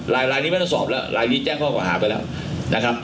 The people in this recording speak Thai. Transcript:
ลายลายนี้ไม่ต้องสอบแล้วลายนี้แจ้งข้อกล่าหาไปแล้วนะครับ